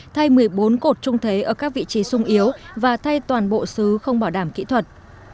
thay một mươi bốn cột trung thế ở các vị trí sung yếu và thay toàn bộ xứ không bảo đảm kỹ thuật